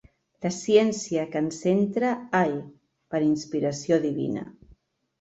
La ciència que ens entra, ai, per inspiració divina.